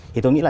thì tôi nghĩ là